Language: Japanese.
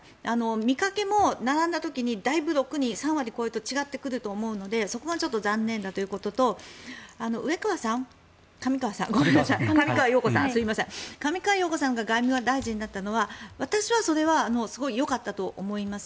見かけも、並んだ時にだいぶ６人、３割を超えると違ってくると思うのでそこがちょっと残念だということと上川陽子さんが外務大臣になったのは私はそれはよかったと思います。